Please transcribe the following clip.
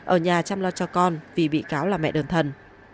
ở nhà chăm lo cho con vì bị cáo là mẹ đơn thân